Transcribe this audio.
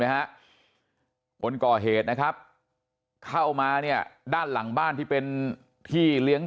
ฮะคนก่อเหตุนะครับเข้ามาเนี่ยด้านหลังบ้านที่เป็นที่เลี้ยง